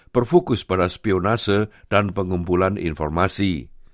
berfokus pada spionase dan pengumpulan informasi